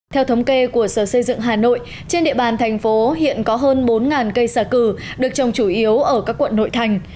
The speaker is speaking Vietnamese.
theo thống kê của sở xây dựng hà nội trên địa bàn thành phố hiện có hơn bốn cây xả cử được trồng chủ yếu ở các quận nội thành